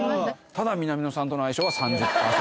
ただ南野さんとの相性は３０％。